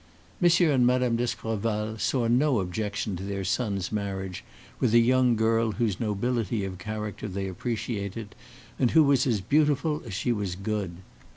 M. and Mme. d'Escorval saw no objection to their son's marriage with a young girl whose nobility of character they appreciated, and who was as beautiful as she was good.